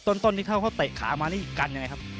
ต้นที่เข้าเขาเตะขามานี่กันยังไงครับ